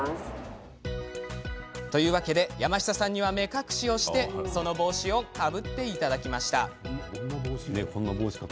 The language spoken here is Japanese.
というわけで山下さんには目隠しをして、その帽子をかぶっていただきました。